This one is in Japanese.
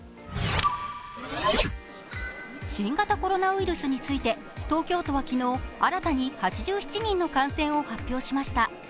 新型コロナウイルスについて、東京都は昨日、新たに８７人の感染を発表しました。